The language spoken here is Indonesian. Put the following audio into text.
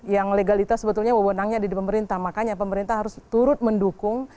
yang legalitas sebetulnya wabah undangnya di depan pemerintah makanya pemerintah harus turut mendukung